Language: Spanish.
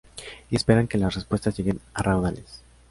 Y esperan que las respuestas lleguen a raudales.